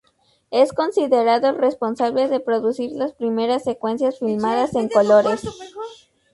Es considerado el responsable de producir las primeras secuencias filmadas en colores.